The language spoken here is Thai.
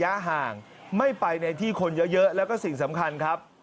ห่างไม่ไปในที่คนเยอะแล้วก็สิ่งสำคัญครับ